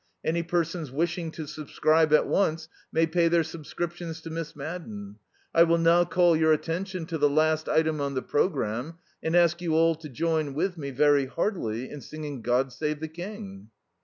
Any persons wishing to subscribe at once, may pay their subscriptions to Miss Madden. "I will now call your attention to the last item on the programme, and ask you all to join with me very heartily in singing 'God Save the King.'"